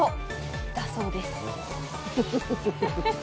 だそうです。